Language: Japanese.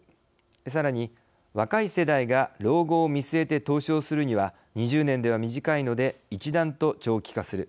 さらに若い世代が老後を見据えて投資をするには２０年では短いので一段と長期化する。